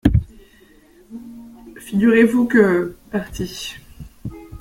Figurez-vous que, parti…